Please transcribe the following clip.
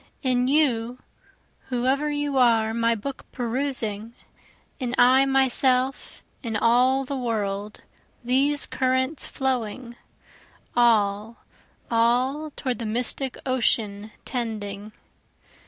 In you whoe'er you are my book perusing, In I myself, in all the world, these currents flowing, All, all toward the mystic ocean tending.